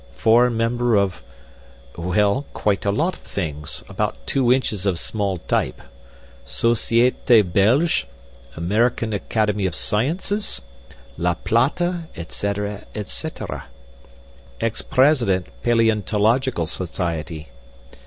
Foreign Member of' well, quite a lot of things, about two inches of small type 'Societe Belge, American Academy of Sciences, La Plata, etc., etc. Ex President Palaeontological Society.